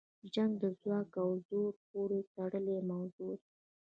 جنګ د ځواک او زوره پورې تړلې موضوع ده.